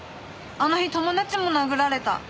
あの日友達も殴られた。